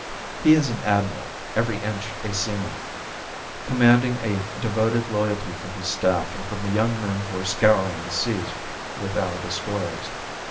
He is an admiral, every inch a seaman, commanding a devoted loyalty from his staff and from the young men who are scouring the seas with our destroyers.